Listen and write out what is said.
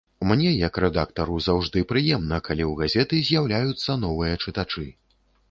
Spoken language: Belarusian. Мне як рэдактару заўжды прыемна, калі ў газеты з'яўляюцца новыя чытачы.